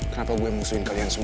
kenapa gue musuhin kalian semua